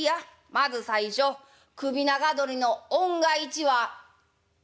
まず最初首長鳥の雄が一羽つっ」。